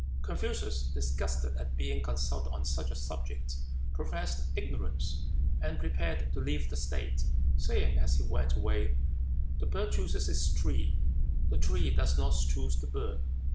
Confucius, disgusted at being consulted on such a subject, professed ignorance, and prepared to leave the state, saying as he went away: "The bird chooses its tree; the tree does not choose the bird."